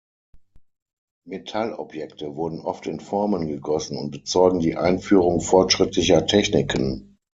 Metallobjekte wurden oft in Formen gegossen und bezeugen die Einführung fortschrittlicher Techniken.